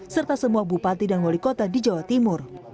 serta semua bupati dan wali kota di jawa timur